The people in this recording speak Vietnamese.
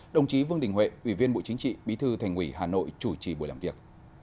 đồng chí vương đình huệ ủy viên bộ chính trị bí thư thành ủy hà nội chủ trì buổi làm việc